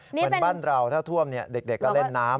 เหมือนบ้านเราถ้าท่วมเด็กก็เล่นน้ำ